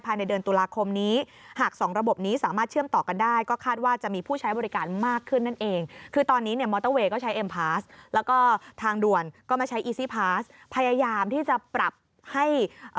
ภายในเดือนตุลาคมนี้หากสองระบบนี้สามารถเชื่อมต่อกันได้